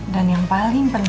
dan yang paling penting